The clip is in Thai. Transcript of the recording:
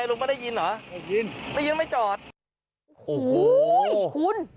โอ้โหคุณ